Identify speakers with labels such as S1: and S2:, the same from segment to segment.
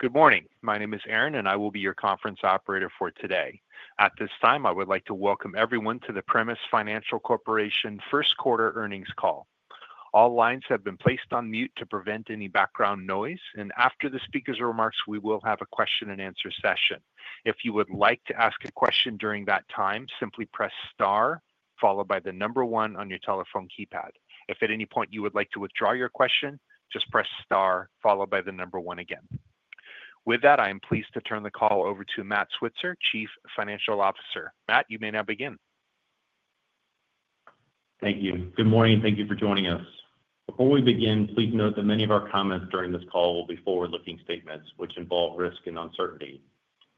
S1: Good morning, my name is Aaron and I will be your conference operator for today. At this time I would like to welcome everyone to the Primis Financial first quarter earnings call. All lines have been placed on mute to prevent any background noise and after the speaker's remarks we will have a question and answer session. If you would like to ask a question during that time, simply press star followed by the number one on your telephone keypad. If at any point you would like to withdraw your question, just press star followed by the number one again. With that, I am pleased to turn the call over to Matt Switzer, Chief Financial Officer. Matt, you may now begin.
S2: Thank you. Good morning. Thank you for joining us. Before we begin, please note that many of our comments during this call will be forward looking statements which involve risk and uncertainty.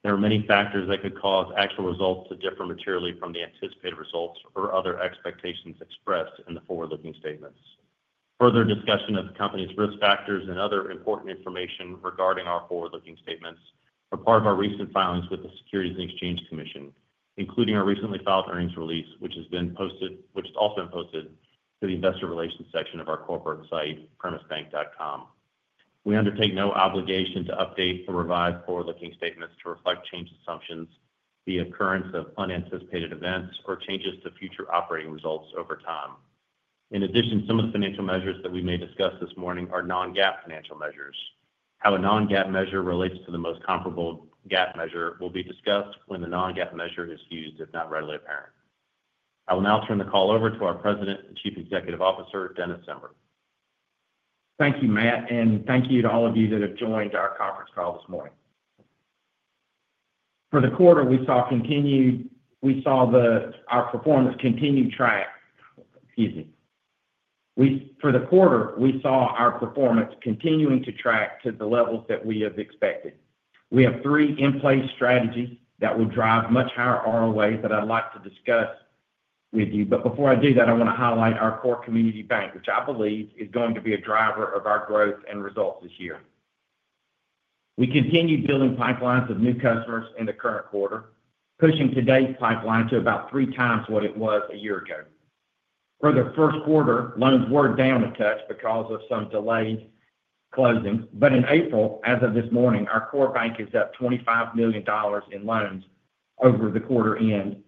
S2: There are many factors that could cause actual results to differ materially from the anticipated results or other expectations expressed in the forward looking statements. Further discussion of the Company's risk factors and other important information regarding our forward looking statements are part of our recent filings with the Securities and Exchange Commission, including our recently filed earnings release which has been posted, which is also posted to the investor relations section of our corporate site primisbank.com. We undertake no obligation to update or revise forward looking statements to reflect changed assumptions, the occurrence of unanticipated events or changes to future operating results over time. In addition, some of the financial measures that we may discuss this morning are non-GAAP financial measures. How a non-GAAP measure relates to the most comparable GAAP measure will be discussed when the non-GAAP measure is used if not readily apparent. I will now turn the call over to our President and Chief Executive Officer Dennis Zember.
S3: Thank you, Matt. Thank you to all of you that have joined our conference call this morning. For the quarter, we saw our performance continue to track. Excuse me. For the quarter we saw our performance continuing to track to the levels that we have expected. We have three in place strategies that will drive much higher ROA that I'd like to discuss with you. Before I do that I want to highlight our core community bank which I believe is going to be a driver of our growth and results this year. We continued building pipelines of new customers in the current quarter, pushing today's pipeline to about three times what it was a year ago. For the first quarter loans were down a touch because of some delayed closings, but in April as of this morning, our core bank is up $25 million in loans over the quarter end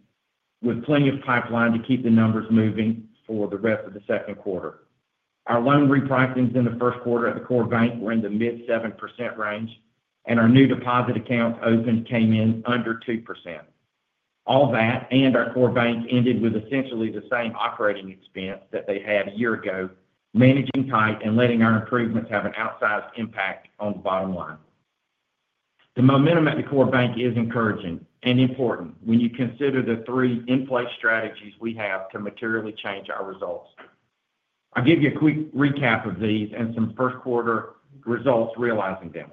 S3: with plenty of pipeline to keep the numbers moving for the rest of the second quarter. Our loan repricings in the first quarter at the core bank were in the mid 7% range and our new deposit account opened came in under 2%. All that and our core bank ended with essentially the same operating expense that they had a year ago. Managing tight and letting our improvements have an outsized impact on the bottom line. The momentum at the core bank is encouraging and important when you consider the three in place strategies we have to materially change our results. I'll give you a quick recap of these and some first quarter results. Realizing them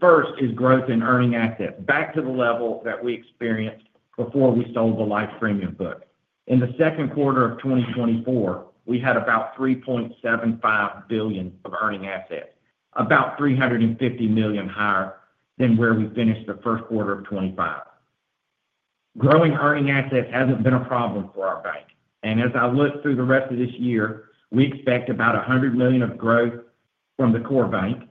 S3: first is growth in earning assets back to the level that we experienced before we sold the Life Premium Finance Portfolio. In the second quarter of 2024 we had about $3.75 billion of earning assets, about $350 million higher than where we finished 1Q25. Growing earning assets haven't been a problem for our bank and as I look through the rest of this year we expect about $100 million of growth from the core bank,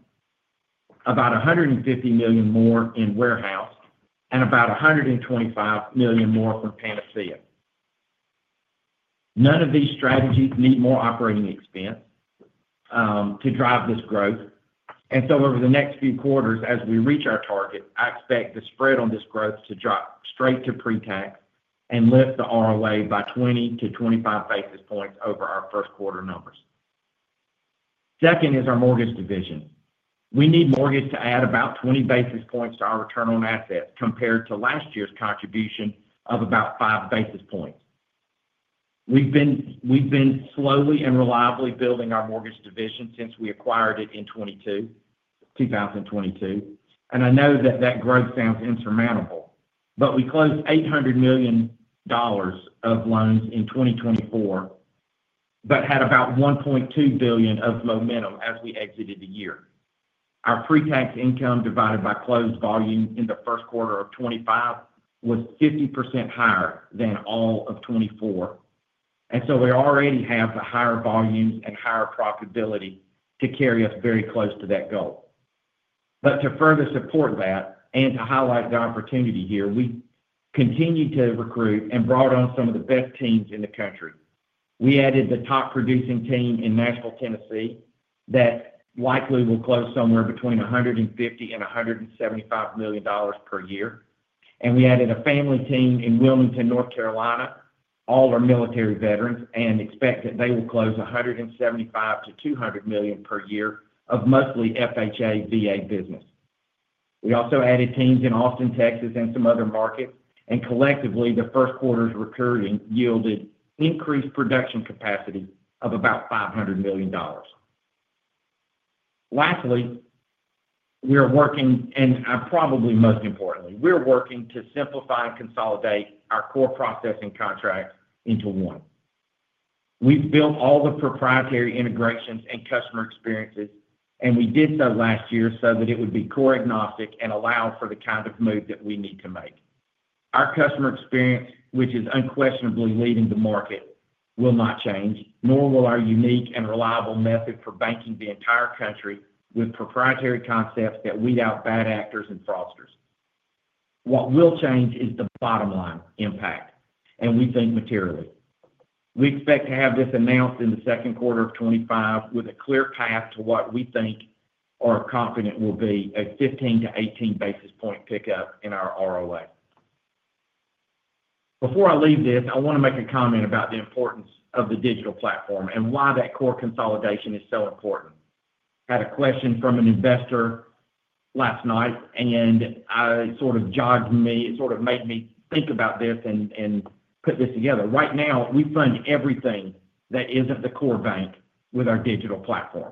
S3: about $150 million more in warehouse and about $125 million more from Panacea. None of these strategies need more operating expense to drive this growth. Over the next few quarters as we reach our target, I expect the spread on this growth to drop straight to pre-tax and lift the ROA by 20 basis points-25 basis points over our first quarter numbers. Second is our mortgage division. We need mortgage to add about 20 basis points to our return on assets compared to last year's contribution of about five basis points. We've been slowly and reliably building our mortgage division since we acquired it in 2022 and I know that that growth sounds insurmountable, but we closed $800 million of loans in 2024 but had about $1.2 billion of momentum as we exited the year. Our pre tax income divided by closed volume in first quarter 2025 was 50% higher than all of 2024 and so we already have the higher volumes and higher profitability to carry us very close to that goal. To further support that and to highlight the opportunity here, we continue to recruit and brought on some of the best teams in the country. We added the top producing team in Nashville, Tennessee. That likely will close somewhere between $150 million and $175 million per year. We added a family team in Wilmington, North Carolina. All are military veterans and expect that they will close $175 million-$200 million per year of mostly FHA Virginia business. We also added teams in Austin, Texas and some other markets and collectively the first quarter's recurring yielded increased production capacity of about $500 million. Lastly, we are working and probably most importantly we're working to simplify and consolidate our core processing contract into one. We've built all the proprietary integrations and customer experiences and we did so last year so that it would be core agnostic and allow for the kind of move that we need to make. Our customer experience, which is unquestionably leading the market, will not change, nor will our unique and reliable method for banking the entire country with proprietary concepts that weed out bad actors and fraudsters. What will change is the bottom line impact, and we think materially. We expect to have this announced in 2Q 2025 with a clear path to what we think are, confident will be, a 15 basis point-18 basis point pickup in our ROA. Before I leave this, I want to make a comment about the importance of the digital platform and why that core consolidation is so important. Had a question from an investor last night, and it sort of jogged me, sort of made me think about this and put this together. Right now, we fund everything that is not the core bank with our digital platform.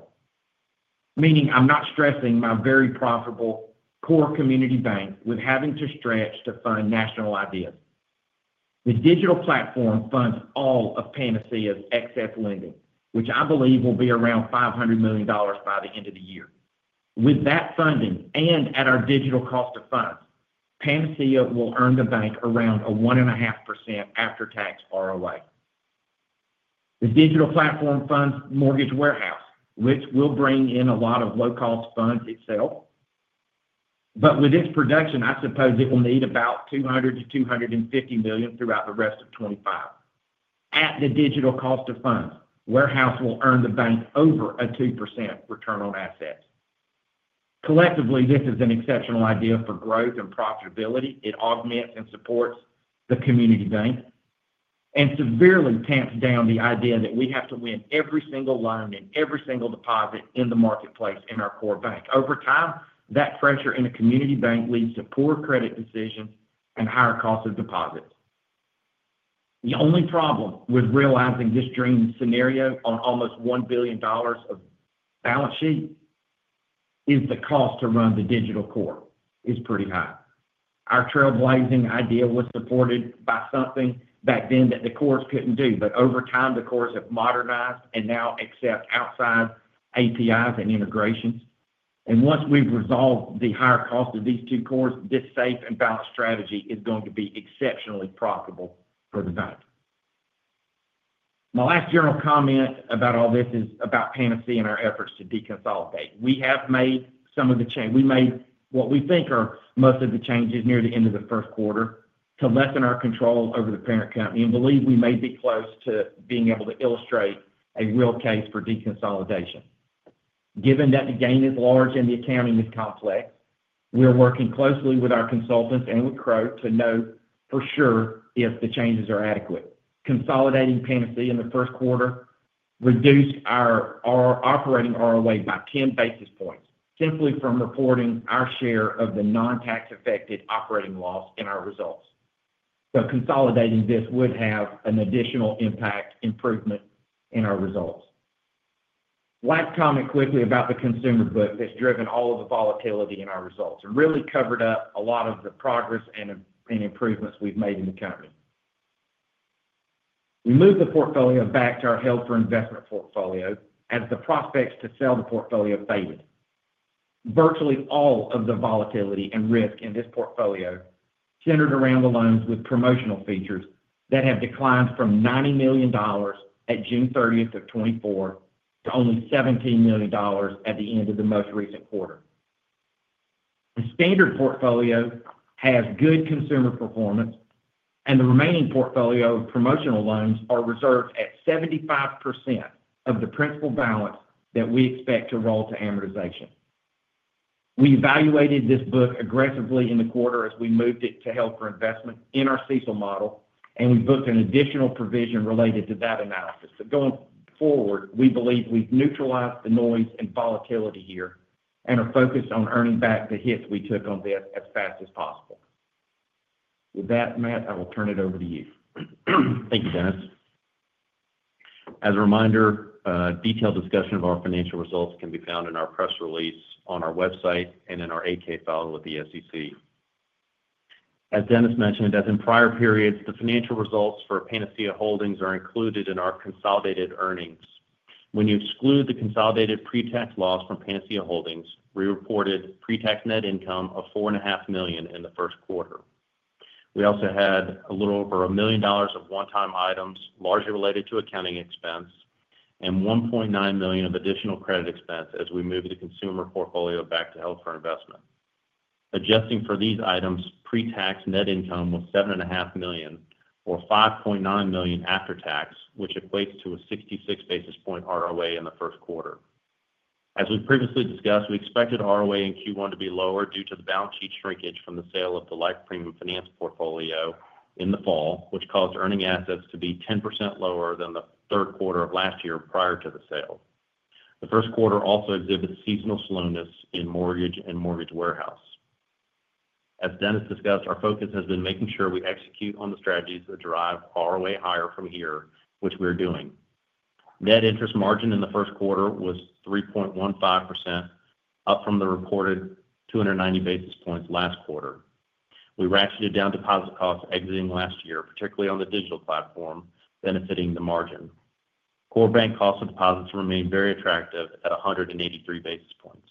S3: Meaning I'm not stressing my very profitable core community bank with having to stretch to fund national ideas. The digital platform funds all of Panacea's excess lending which I believe will be around $500 million by the end of the year. With that funding and at our digital cost of funds, Panacea will earn the bank around a 1.5% after tax ROA. The digital platform funds mortgage warehouse which will bring in a lot of low cost funds itself, but with its production I suppose it will need about $200 million-$250 million throughout the rest of 2025. At the digital cost of funds, warehouse will earn the bank over a 2% return on assets. Collectively this is an exceptional idea for growth and profitability. It augments and supports the community bank and severely tamps down the idea that we have to win every single loan and every single deposit in the marketplace in our core bank. Over time that pressure in a community bank leads to poor credit decisions and higher cost of deposits. The only problem with realizing this dream scenario on almost $1 billion of balance sheet is the cost to run the digital core is pretty high. Our trailblazing idea was supported by something back then that the cores could not do. Over time the cores have modernized and now accept outside APIs and integrations. Once we have resolved the higher cost of these two cores, this safe and balanced strategy is going to be exceptionally profitable for the bank. My last general comment about all this is about Panacea and our efforts to deconsolidate. We have made some of the change. We made what we think are most of the changes near the end of the first quarter to lessen our control over the parent company and believe we may be close to being able to illustrate a real case for deconsolidation given that the gain is large and the accounting is complex. We are working closely with our consultants and with Crowe to note for sure if the changes are adequate. Consolidating Panacea in the first quarter reduced our operating ROA by 10 basis points simply from reporting our share of the non tax affected operating loss in our results. Consolidating this would have an additional impact improvement in our results. Last comment quickly about the consumer book that's driven all of the volatility in our results and really covered up a lot of the progress and improvements we've made in the company. We moved the portfolio back to our held for investment portfolio as the prospects to sell the portfolio faded. Virtually all of the volatility and risk in this portfolio centered around the loans with promotional features that have declined from $90 million at June 30th, 2024 to only $17 million at the end of the most recent quarter. The standard portfolio has good consumer performance and the remaining portfolio of promotional loans are reserved at 75% of the principal balance that we expect to roll to amortization. We evaluated this book aggressively in the quarter as we moved it to held for investment in our CECL model and we booked an additional provision related to that analysis. Going forward we believe we've neutralized the noise and volatility here and are focused on earning back the hits we took on this as fast as possible. With that Matt, I will turn it over to you.
S2: Thank you Dennis. As a reminder, detailed discussion of our financial results can be found in our press release on our website and in our 8-K file with the SEC. As Dennis mentioned, as in prior periods, the financial results for Panacea Holdings are included in our consolidated earnings. When you exclude the consolidated pre-tax loss from Panacea Holdings, we reported pre-tax net income of $4.5 million in the first quarter. We also had a little over $1 million of one-time items largely related to accounting expense and $1.9 million of additional credit expense. As we move the consumer portfolio back to held for investment, adjusting for these items pre-tax net income was $7.5 million or $5.9 million after tax, which equates to a 66 basis point ROA in the first quarter. As we previously discussed, we expected ROA in Q1 to be lower due to the balance sheet shrinkage from the sale of the Life Premium Finance portfolio in the fall, which caused earning assets to be 10% lower than the third quarter of last year prior to the sale. The first quarter also exhibits seasonal slowness in mortgage and mortgage warehouse. As Dennis discussed, our focus has been making sure we execute on the strategies that drive ROA higher from here, which we are doing. Net interest margin in the first quarter was 3.15% up from the reported 290 basis points last quarter. We ratcheted down deposit costs exiting last year, particularly on the digital platform, benefiting the margin. Core bank cost of deposits remain very attractive at 183 basis points.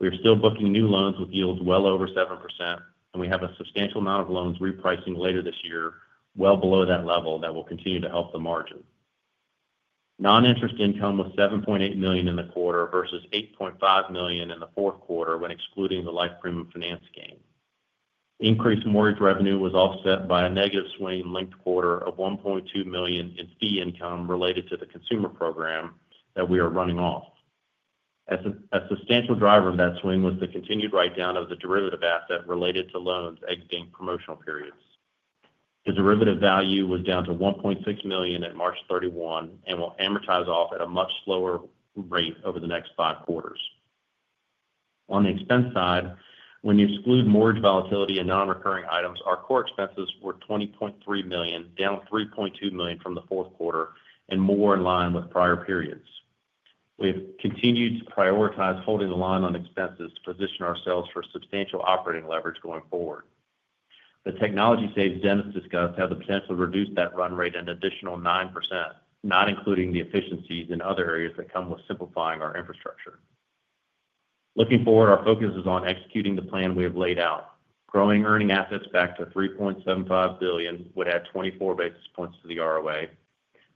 S2: We are still booking new loans with yields well over 7% and we have a substantial amount of loans repricing later this year well below that level. That will continue to help the margin. Non interest income was $7.8 million in the quarter versus $8.5 million in the fourth quarter when excluding the Life Premium Finance gain. Increased mortgage revenue was offset by a negative swing linked quarter of $1.2 million in fee income related to the consumer program that we are running off as a substantial driver of that swing was the continued write down of the derivative asset related to loans exiting promotional periods. The derivative value was down to $1.6 million at March 31 and will amortize off at a much slower rate over the next five quarters. On the expense side, when you exclude mortgage volatility and non-recurring items, our core expenses were $20.3 million, down $3.2 million from the fourth quarter and more in line with prior periods. We have continued to prioritize holding the line on expenses to position ourselves for substantial operating leverage going forward. The technology saves Dennis discussed have the potential to reduce that run rate an additional 9%, not including the efficiencies in other areas that come with simplifying our infrastructure. Looking forward, our focus is on executing the plan we have laid out. Growing earning assets back to $3.75 billion would add 24 basis points to the ROA.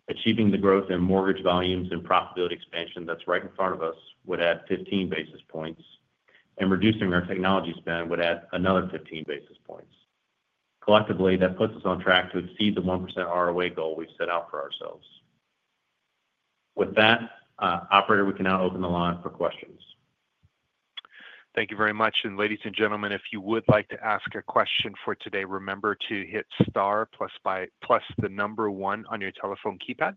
S2: Achieving the growth in mortgage volumes and profitability expansion that's right in front of us would add 15 basis points and reducing our technology spend would add another 15 basis points. Collectively that puts us on track to exceed the 1% ROA goal we've set out for ourselves. With that, operator, we can now open the line for questions.
S1: Thank you very much. Ladies and gentlemen, if you would like to ask a question for today, remember to hit star plus the number one on your telephone keypad.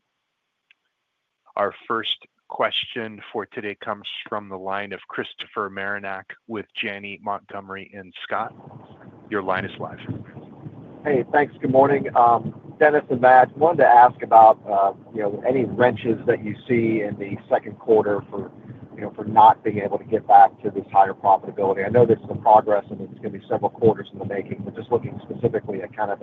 S1: Our first question for today comes from the line of Christopher Marinac with Janney Montgomery Scott, your line is live.
S4: Hey, thanks. Good morning. Dennis and Matt, wanted to ask about, you know, any wrenches that you see in the second quarter for, you know, for not being able to get back to this higher profitability. I know there's some progress and it's going to be several quarters in the making. We're just looking specifically at kind of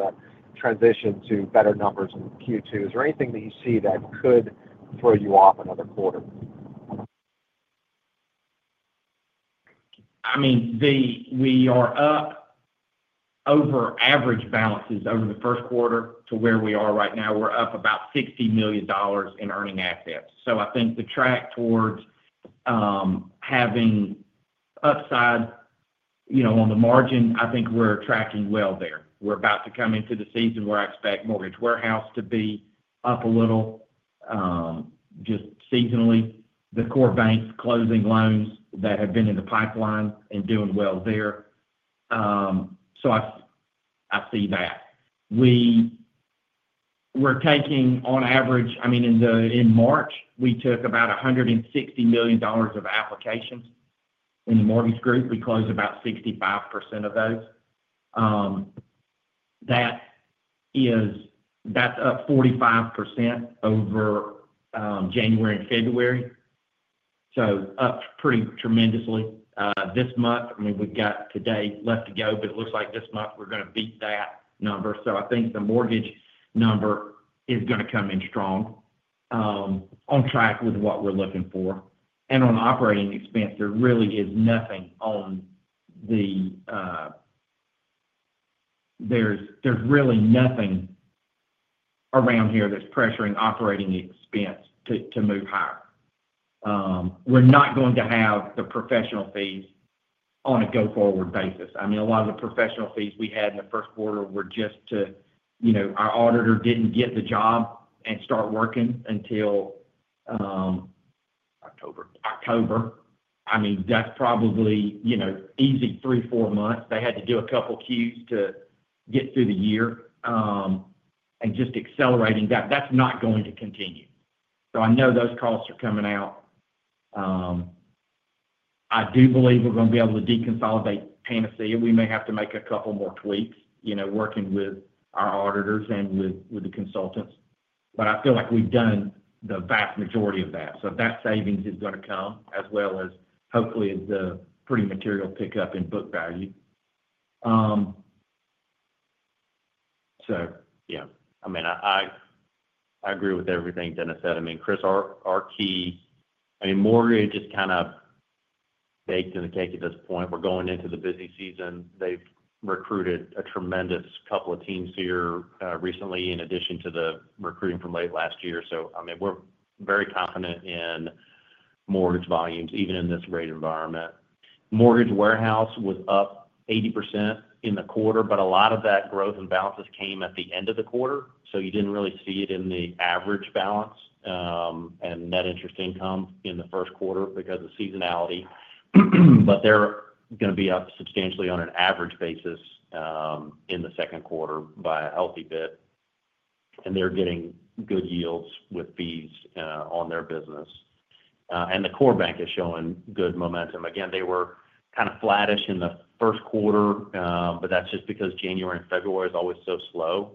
S4: transition to better numbers in Q2. Is there anything that you see that could throw you off another quarter?
S3: I mean, we are up over average balances over the first quarter to where we are right now. We're up about $60 million in earning assets. I think the track towards having upside down, you know, on the margin, I think we're tracking well there. We're about to come into the season where I expect Mortgage Warehouse to be up a little just seasonally. The core bank's closing loans that have been in the pipeline and doing well there. I see that we were taking on average, I mean in March we took about $160 million of applications in the mortgage group. We closed about 65% of those. That is, that's up 45% over January and February. Up pretty tremendously this month. I mean, we've got today left to go, but it looks like this month we're going to beat that number. I think the mortgage number is going to come in strong on track with what we're looking for. On operating expense, there really is nothing on the, there's really nothing around here that's pressuring operating expense to move higher. We're not going to have the professional fees on a go forward basis. I mean a lot of the professional fees we had in the first quarter were just to, you know, our auditor didn't get the job and start working until.
S2: October.
S3: October. I mean that's probably, you know, easy three months, four months. They had to do a couple queues to get through the year and just accelerating that. That's not going to continue. I know those costs are coming out. I do believe we're going to be able to deconsolidate Panacea. We may have to make a couple more tweaks, you know, working with our auditors and with the consultants. I feel like we've done the vast majority of that. That savings is going to come as well as hopefully the pretty material pickup in book value.
S2: Yeah, I mean I agree with everything Dennis said. I mean Chris, our key, I mean mortgage just kind of baked in the cake at this point. We're going into the busy season. They've recruited a tremendous couple of teams here recently in addition to the recruiting from late last year. I mean we're very confident in mortgage volumes even in this rate environment. Mortgage warehouse was up 80% in the Quarter, but a lot of that growth in balances came at the end of the quarter. You did not really see it in the average balance and net interest income in the first quarter because of seasonality. They are going to be up substantially on an average basis in the second quarter by a healthy bit. They are getting good yields with fees on their business and the core bank is showing good momentum again. They were kind of flattish in the first quarter, that is just because January and February are always so slow.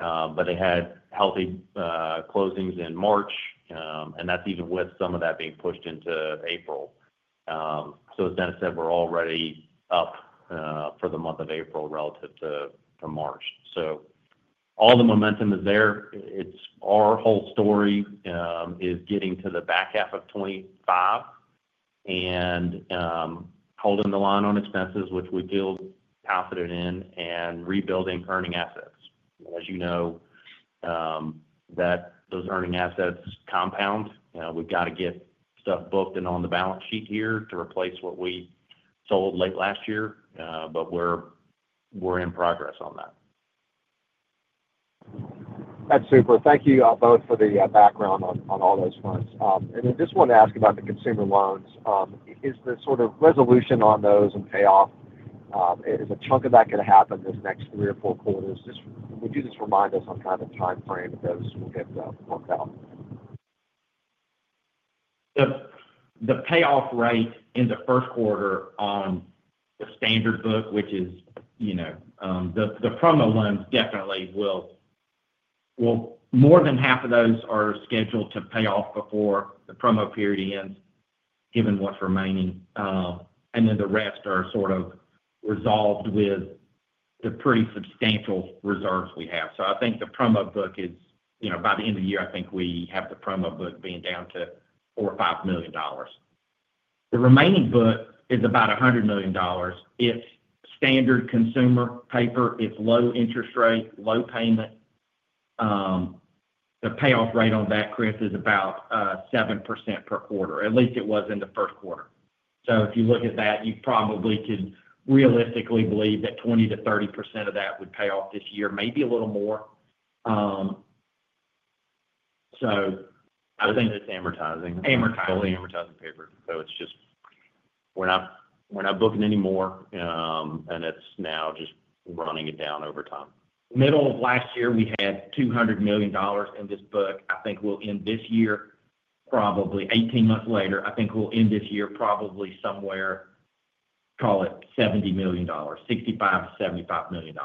S2: They had healthy closings in March and that is even with some of that being pushed into April. As Dennis said, we are already up for the month of April relative to March. All the momentum is there. Our whole story is getting to the back half of 2025 and holding the line on expenses, which we feel confident in, and rebuilding earning assets. You know, those earning assets compound. You know, we've got to get stuff booked and on the balance sheet here to replace what we sold late last year. We're in progress on that.
S4: That's super. Thank you both for the background on all those fronts. I just want to ask about the consumer loans is the sort of resolution on those and payoff is a chunk of that going to happen this next three quarters or four quarters. Just, we do this, remind us some kind of time frame. Those will get worked out.
S3: The payoff rate in the first quarter on the standard book, which is, you know, the promo loans definitely will. More than half of those are scheduled to pay off before the promo period ends, given what's remaining. The rest are sort of resolved with the pretty substantial reserves we have. I think the promo book is, you know, by the end of the year I think we have the promo book being down to $4.5 million. The remaining book is about $100 million. It's standard consumer paper. It's low interest rate, low payment. The payoff rate on that, Chris, is about 7% per quarter. At least it was in the first quarter. If you look at that, you probably could realistically believe that 20%-30% of that would pay off this year, maybe a little more.
S2: I think it's amortizing paper. It's just we're not booking anymore and it's now just running it down over time.
S3: Middle of last year we had $200 million in this book. I think we'll end this year probably eighteen months later. I think we'll end this year probably somewhere, call it $70 million, $65-$75 million.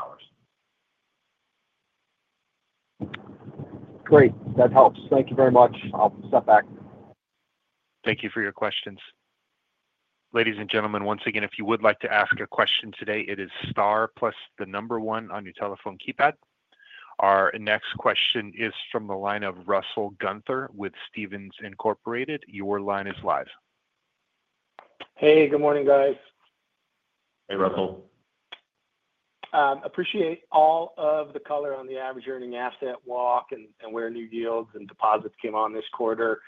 S4: Great, that helps. Thank you very much. I'll step back.
S1: Thank you for your questions. Ladies and gentlemen, once again, if you would like to ask a question today, it is star plus the number one on your telephone keypad. Our next question is from the line of Russell Gunther with Stephens Inc. Your line.
S5: Hey, good morning guys.
S2: Hey Russell.
S5: Appreciate all of the color on the average earning asset walk and where new yields and deposits came on this quarter.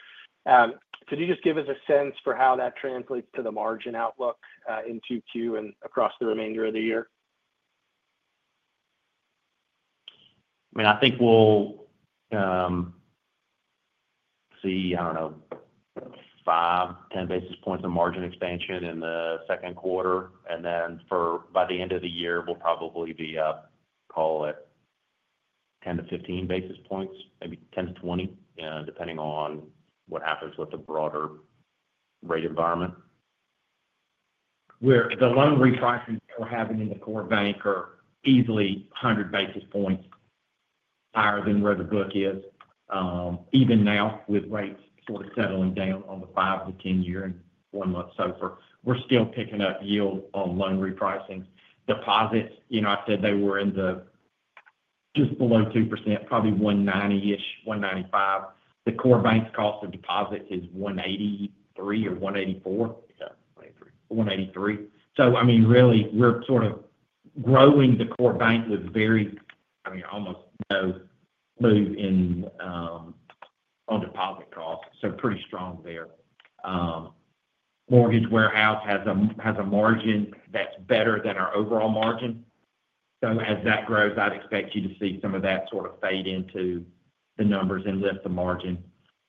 S5: Could you just give us a sense for how that translates to the margin outlook in 2Q and across the remainder of the year?
S2: I mean I think we'll see, I don't know, 5 basis points-10 basis points of margin expansion in the second quarter and then by the end of the year we'll probably be up, call it 10 basis points-15 basis points, maybe 10 basis points-20 basis points depending on what happens with the broader rate environment.
S3: Where the loan repricing we're having in the core bank are easily 100 basis points higher than where the book is. Even now with rates sort of settling down on the 5 years-10 years and one month SOFR we're still picking up yield on loan repricing. Deposits, you know, I said they were in the just below 2%, probably 1.90%-1.95%. The core bank's cost of deposit is 1.83% or 1.84%. 1.83%. I mean really we're sort of growing the core bank with very, I mean almost no move in on deposit costs. Pretty strong there. Mortgage warehouse has a margin that's better than our overall margin. As that grows I'd expect you to see some of that sort of fade into the numbers and lift the margin.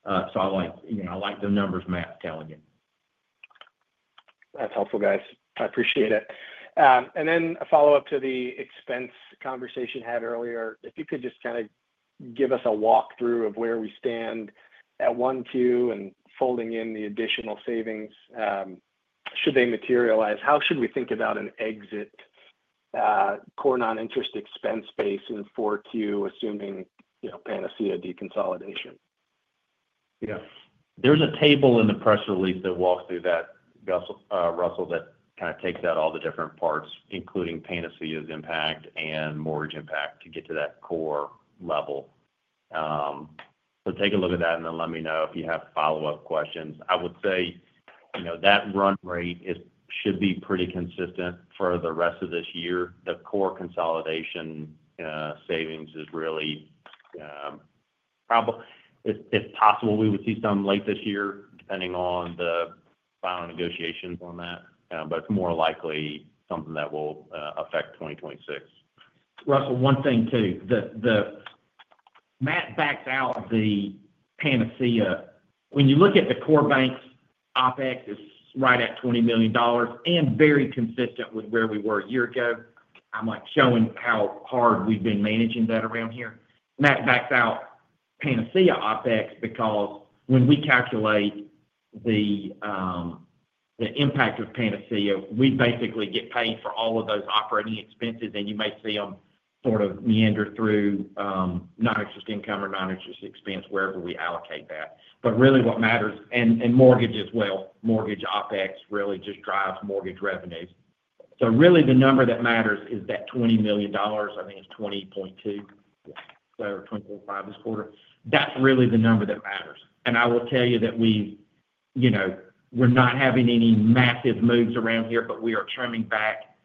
S3: I like, you know, I like the numbers Matt telling you that's helpful.
S5: Guys, I appreciate it. A follow up to the expense conversation had earlier. If you could just kind of give us a walkthrough of where we stand at 1Q and folding in the additional savings, should they materialize? How should we think about an exit core non-interest expense base in 4Q assuming, you know, Panacea deconsolidation.
S2: Yeah, there's a table in the press release that walks through that, Russell, that kind of takes out all the different parts including Panacea's impact and mortgage impact to get to that core level. Take a look at that and then let me know if you have follow up questions. I would say, you know, that run rate should be pretty consistent for the rest of this year. The core consolidation savings is really probably, it's possible we would see some late this year depending on the final negotiations on that, but it's more likely something that will affect 2026.
S3: Russell, one thing too, that backs out the Panacea. When you look at the core banks, OpEx is right at $20 million and very consistent with where we were a year ago, like showing how hard we've been managing that around here. Matt backs out Panacea OpEx because when we calculate the impact of Panacea, we basically get paid for all of those operating expenses and you may see them sort of meander through non-interest income or non-interest expense, wherever we allocate that. What really matters, and mortgage as well, mortgage OpEx really just drives mortgage revenues. Really the number that matters is that $20 million. I think it's $20.25 million this quarter. That's really the number that matters. I will tell you that we, you know, we're not having any massive moves around here, but we are trimming back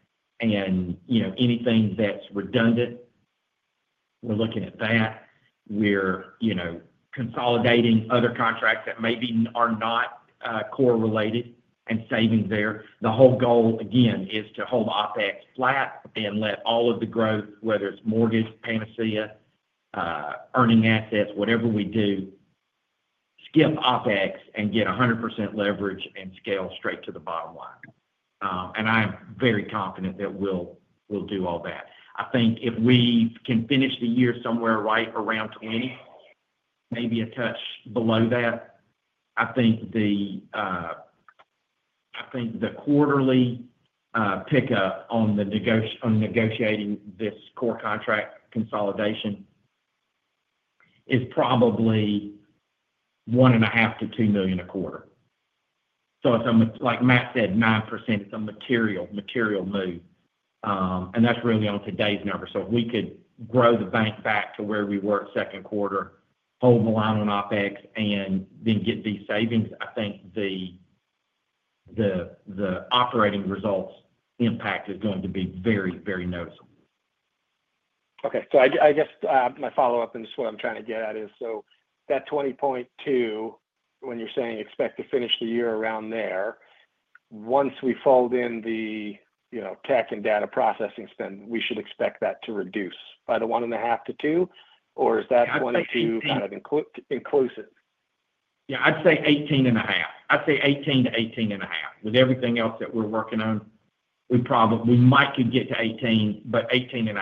S3: and, you know, anything that's redundant, we're looking at that. We're, you know, consolidating other contracts that maybe are not core related and savings there. The whole goal again is to hold OpEx flat and let all of the growth, whether it's mortgage, Panacea, earning assets, whatever we do, skip OpEx and get 100% leverage and scale straight to the bottom line. I am very confident that we'll do all that. I think if we can finish the year somewhere right around $20 million, maybe a touch below that. I think the quarterly pickup on the negotiation, on negotiating this core contract consolidation is probably $1.5 million-$2 million a quarter. It's like Matt said, 9%. It's a material, material move and that's really on today's number. If we could grow the bank back to where we were second quarter, hold the line on OpEx and then get these savings, I think the operating results impact is going to be very, very noticeable.
S5: Okay, so I guess my follow up and just what I'm trying to get at is so that $20.2 million, when you're saying expect to finish the year around there, once we fold in the, you know, tech and data processing spend, we should expect that to reduce by the $1.5 million-$2 million. Or is that kind of inclusive?
S3: Yeah, I'd say $18.5 million. I'd say $18 million-$18.5 million. With everything else that we're working on, we probably might get to $18 million but $18.5 million,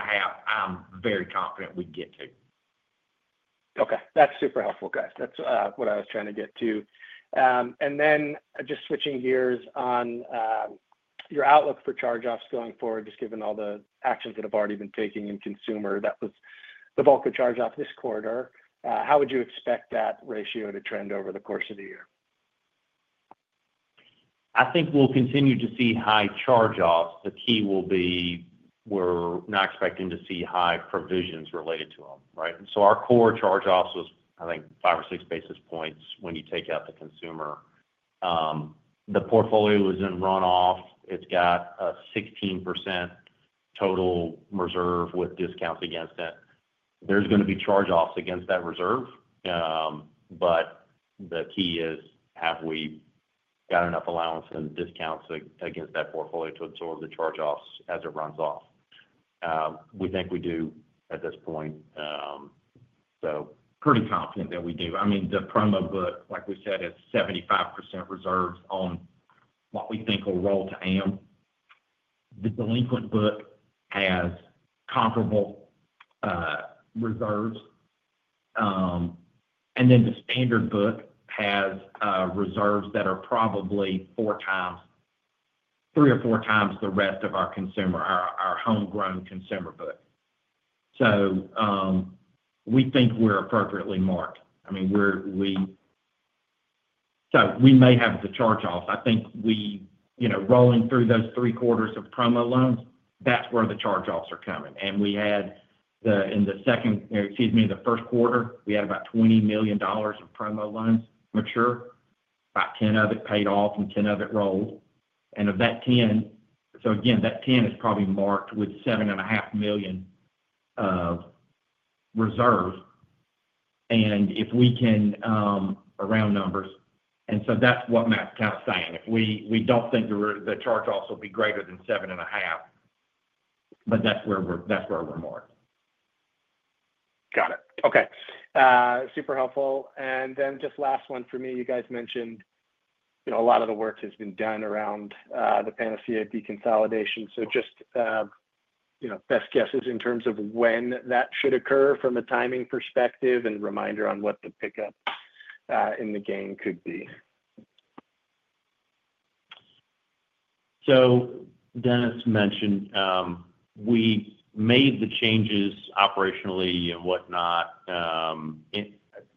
S3: I'm very confident we get to.
S5: Okay, that's super helpful guys. That's what I was trying to get to. Just switching gears on your outlook for charge offs going forward. Just given all the actions that have already been taking in consumer. That was the Volcker charge off this quarter. How would you expect that ratio to trend over the course of the year?
S3: I think we'll continue to see high charge offs. The key will be we're not expecting to see high provisions related to them. Right. Our core charge offs was I think five or six basis points. When you take out the consumer, the portfolio is in runoff. It's got a 16% total reserve with discounts against it. There's going to be charge offs against that reserve. The key is have we got enough allowance and discounts against that portfolio to absorb the charge offs as it runs off? We think we do at this point. Pretty confident that we do. I mean the promo book like we. Said is 75% reserves on what we think will roll to AM. The delinquent book has comparable reserves. And the standard book has reserves that are probably four times, three or four times the rest of our consumer, our homegrown consumer book. We think we're appropriately marked. I mean, we, you know, we may have the charge offs. I think we, you know, rolling through those three quarters of promo loans, that's where the charge offs are coming. We had, in the first quarter, about $20 million of promo loans mature. About $10 million of it paid off and $10 million of it rolled. Of that $10 million, that $10 million is probably marked with $7.5 million of reserve, if we can, around numbers. That's what Matt's kind of saying. We don't think the charge offs will be greater than $7.5 million. That's where we're marked.
S5: Got it. Okay, super helpful. Last one for me, you guys mentioned, you know, a lot of the work has been done around the Panacea deconsolidation. Just, you know, best guesses in terms of when that should occur from a timing perspective and reminder on what the pickup in the gain could be.
S2: Dennis mentioned we made the changes operationally and whatnot,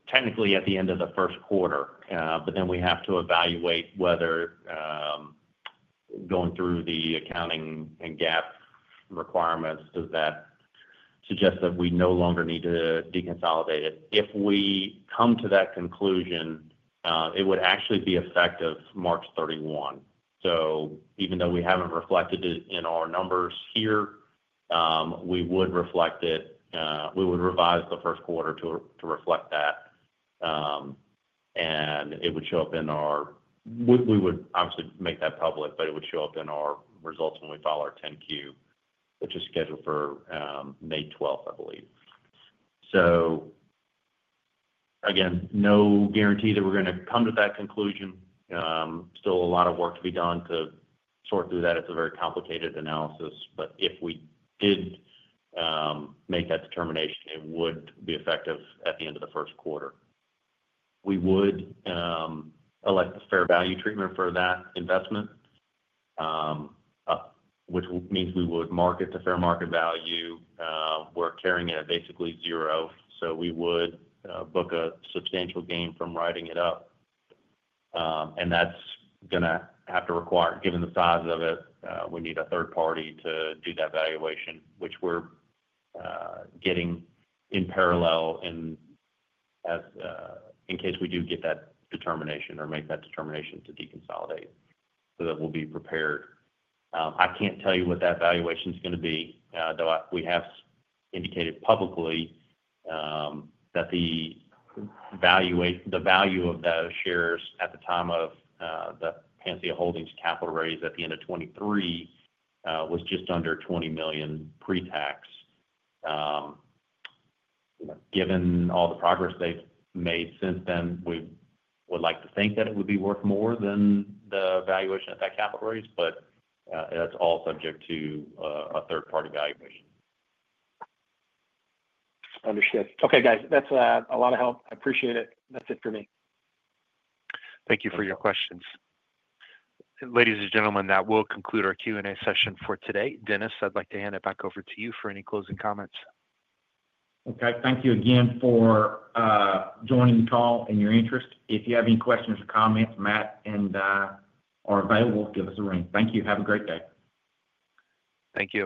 S2: technically at the end of the first quarter. Then we have to evaluate whether going through the accounting and GAAP requirements, does that suggest that we no longer need to deconsolidate it? If we come to that conclusion, it would actually be effective March 31. Even though we haven't reflected it in our numbers here, we would reflect it. We would revise the first quarter to reflect that and it would show up in our, we would obviously make that public, but it would show up in our results when we file our 10Q which is scheduled for May 12th, I believe. Again, no guarantee that we're going to come to that conclusion. Still a lot of work to be done to sort through that. It's a very complicated analysis but if we did make that determination it would be effective at the end of the first quarter. We would elect the fair value treatment for that investment, which means we would mark it to fair market value. We're carrying it at basically zero. We would book a substantial gain from writing it up. That is going to have to require, given the size of it, we need a third party to do that valuation, which we're getting in parallel in case we do get that determination or make that determination to deconsolidate so that we'll be prepared. I can't tell you what that valuation is going to be though. We have indicated publicly that the value of those shares at the time of the Panacea Holdings capital raise at the end of 2023 was just under $20 million pre tax. Given all the progress they've made since then, we would like to think that it would be worth more than the valuation at that capital raise. That is all subject to a third party valuation.
S5: Understood. Okay guys, that's a lot of help. I appreciate it. That's it for me.
S1: Thank you for your questions, ladies and gentlemen. That will conclude our Q and A session for today. Dennis, I'd like to hand it back over to you for any closing comments.
S3: Okay, thank you again for joining the call and your interest. If you have any questions or comments, Matt or I are available, give us a ring. Thank you. Have a great day.
S1: Thank you.